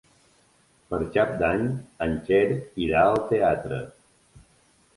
Per Cap d'Any en Quer irà al teatre.